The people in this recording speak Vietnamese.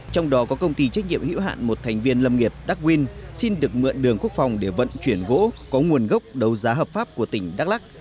trong đó có công ty trách nhiệm hữu hạn một thành viên lâm nghiệp đắc nguyên xin được mượn đường quốc phòng để vận chuyển gỗ có nguồn gốc đấu giá hợp pháp của tỉnh đắk lắc